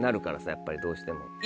やっぱりどうしても。